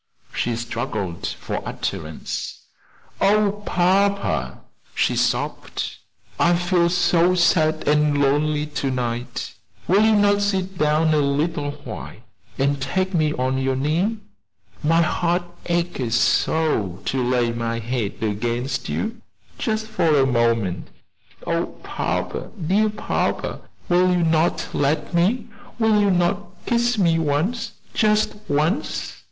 She struggled for utterance. "Oh, papa!" she sobbed, "I feel so sad and lonely to night will you not sit down a little while and take me on your knee? my heart aches so to lay my head against you just for one moment. Oh, papa, dear papa, will you not let me will you not kiss me once, just once?